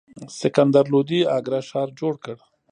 سکندر لودي اګره ښار جوړ کړ.